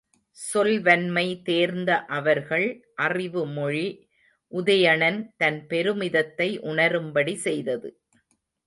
சொல்வன்மை தேர்ந்த அவர்கள் அறிவுமொழி, உதயணன் தன் பெருமிதத்தை உணரும்படி செய்தது.